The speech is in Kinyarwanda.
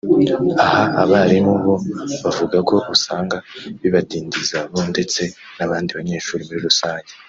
Aha abarimu bo bavuga ko usanga bibadindiza bo ndetse n’abandi banyeshuri muri rusange